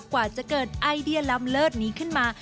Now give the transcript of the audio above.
กว่าจะเกิดไอเดียล้ำเลิศนี้ขึ้นมา